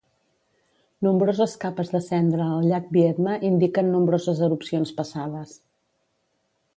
Nombroses capes de cendra al llac Viedma indiquen nombroses erupcions passades.